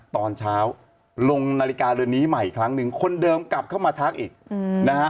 ตอนเช้าลงนาฬิกาเรือนนี้ใหม่อีกครั้งหนึ่งคนเดิมกลับเข้ามาทักอีกนะฮะ